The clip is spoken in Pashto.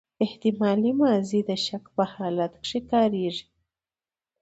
احتمالي ماضي د شک په حالت کښي کاریږي.